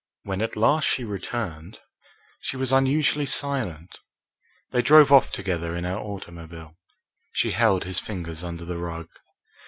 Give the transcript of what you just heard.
When at last she returned, she was unusually silent. They drove off together in her automobile. She held his fingers under the rug.